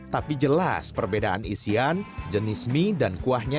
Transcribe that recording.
tapi jelas perbedaan isian jenis mie dan kuahnya